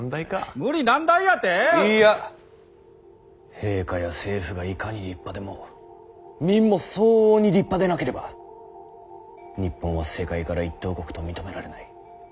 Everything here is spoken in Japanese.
陛下や政府がいかに立派でも民も相応に立派でなければ日本は世界から一等国と認められない。